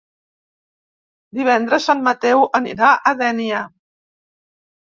Divendres en Mateu anirà a Dénia.